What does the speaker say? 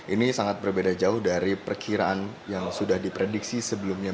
ini sangat berbeda jauh dari perkiraan yang sudah diprediksi sebelumnya